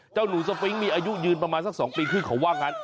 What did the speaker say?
เจ้าหนูสฟิงมีอายุยืนประมาณสัก๒ปีขึ้นเขาว่างั้น